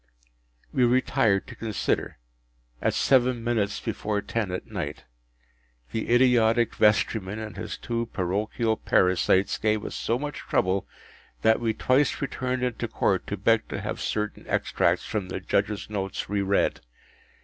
We retired to consider, at seven minutes before ten at night. The idiotic vestryman and his two parochial parasites gave us so much trouble that we twice returned into Court to beg to have certain extracts from the Judge’s notes re read.